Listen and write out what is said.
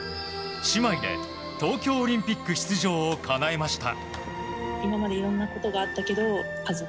姉妹で東京オリンピック出場をかなえました。